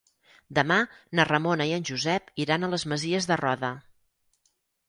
Demà na Ramona i en Josep iran a les Masies de Roda.